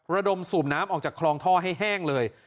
ระดมสูบน้ำออกจากคลองท่อให้แห้งเลย